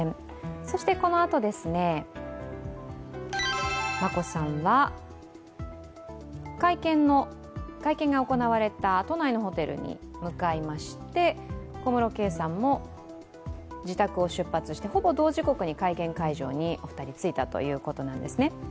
そして、このあと、眞子さんは会見が行われた都内のホテルに向かいまして、小室圭さんも自宅を出発してほぼ同時刻に会見会場に着いたということなんですね。